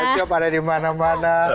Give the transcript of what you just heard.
shop ada di mana mana